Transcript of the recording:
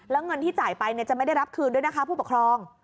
แล้วเงินที่จ่ายไปจะไม่ได้รับคืนด้วยนะคะผู้ปกครอง